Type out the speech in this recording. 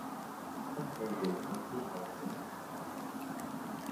不過會考之後我得十一分⠀